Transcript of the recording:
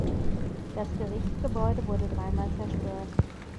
Das Gerichtsgebäude wurde dreimal zerstört.